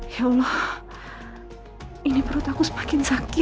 ya allah ini perut aku semakin sakit